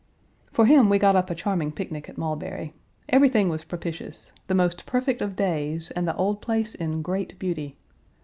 For him we got up a charming picnic at Mulberry. Everything was propitious the most perfect of days and the old place in great beauty.